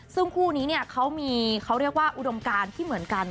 ซึ่งคู่นี้เนี่ยเขามีเขาเรียกว่าอุดมการที่เหมือนกัน